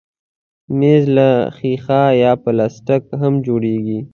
مېز له ښيښه یا پلاستیک هم جوړېږي.